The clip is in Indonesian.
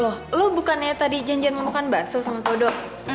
loh lo bukannya tadi janjian mau makan bakso sama dodo